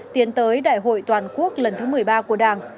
tiến tới đại hội toàn quốc lần thứ một mươi ba của đảng